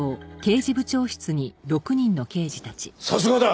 さすがだ！